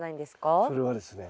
それはですね